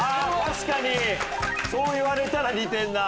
確かにそう言われたら似てるな。